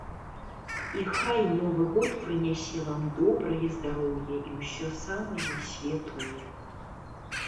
І хай новы год прынясе вам добрае здароўе і ўсё самае светлае.